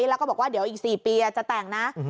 แล้วก็บอกว่าเดี๋ยวอีก๔ปีจะแต่งนะ